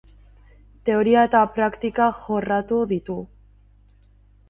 Teoria eta praktika jorratu ditu.